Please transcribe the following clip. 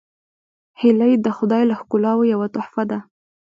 هیلۍ د خدای له ښکلاوو یوه تحفه ده